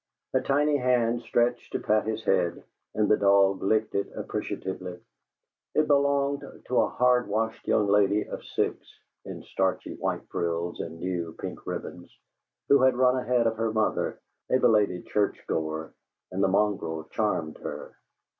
A tiny hand stretched to pat his head, and the dog licked it appreciatively. It belonged to a hard washed young lady of six (in starchy, white frills and new, pink ribbons), who had run ahead of her mother, a belated church goer; and the mongrel charmed her.